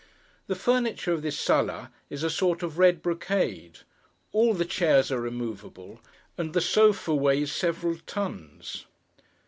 The furniture of this sala is a sort of red brocade. All the chairs are immovable, and the sofa weighs several tons.